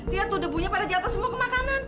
lihat tuh debunya pada jatuh semua ke makanan